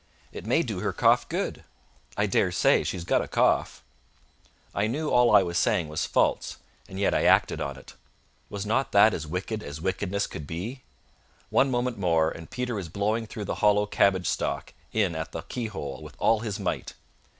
It may do her cough good: I dare say she's got a cough." I knew all I was saying was false, and yet I acted on it. Was not that as wicked as wickedness could be? One moment more, and Peter was blowing through the hollow cabbage stalk in at the keyhole with all his might.